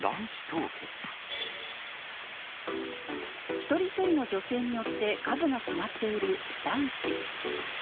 一人一人の女性によって数が決まっている卵子。